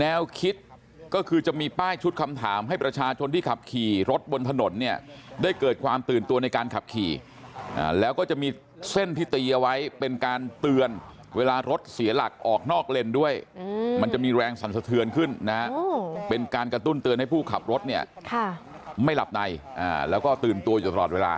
แนวคิดก็คือจะมีป้ายชุดคำถามให้ประชาชนที่ขับขี่รถบนถนนเนี่ยได้เกิดความตื่นตัวในการขับขี่แล้วก็จะมีเส้นที่ตีเอาไว้เป็นการเตือนเวลารถเสียหลักออกนอกเลนด้วยมันจะมีแรงสั่นสะเทือนขึ้นนะเป็นการกระตุ้นเตือนให้ผู้ขับรถเนี่ยไม่หลับในแล้วก็ตื่นตัวอยู่ตลอดเวลา